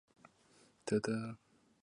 随后当地百姓自立冶县。